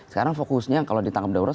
sekarang fokusnya kalau ditangkap darurat